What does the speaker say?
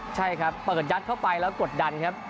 ใช่ครับเปิดยัดเข้าไปแล้วกดดันครับ